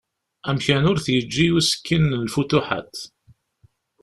Amkan ur t-yeǧǧi usekkin n “lfutuḥat”.